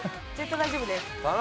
大丈夫です。